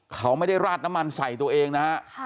เขาไม่ได้ราดน้ำมันใส่ตัวเองนะฮะ